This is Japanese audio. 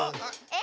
え？